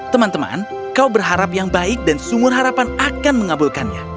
teman teman kau berharap yang baik dan sumur harapan akan mengabulkannya